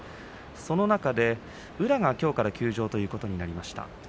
その中で宇良がきょうから休場ということになりました。